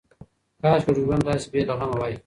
کاشکې ژوند داسې بې له غمه وای.